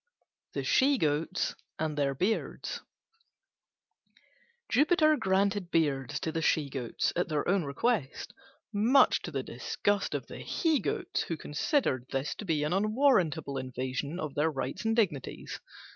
THE SHE GOATS AND THEIR BEARDS Jupiter granted beards to the She Goats at their own request, much to the disgust of the he Goats, who considered this to be an unwarrantable invasion of their rights and dignities.